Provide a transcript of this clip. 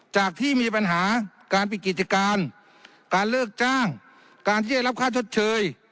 จากที่มีปัญหาการปิดกิจการการเลิกจ้างการที่ได้รับค่าชดเชย